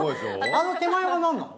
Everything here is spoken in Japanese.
あの手前は何なの？